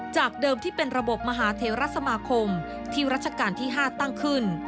จากเดิมที่เป็นระบบมหาเทราสมาคมที่รัชกาลที่๕ตั้งขึ้น